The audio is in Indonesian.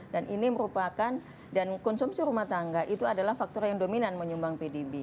dan ini merupakan dan konsumsi rumah tangga itu adalah faktor yang dominan menyimbang pdb